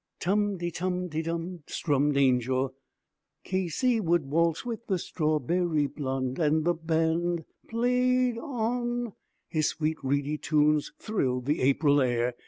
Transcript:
Tum te tum te tum, strummed Angel. 'Casey would waltz with the strawberry blonde, And the band played on.' His sweet reedy tones thrilled the April air.